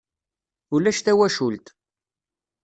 Ulac tawacult.